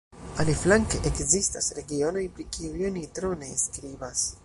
Aliflanke ekzistas regionoj, pri kiuj oni tro ne skribas.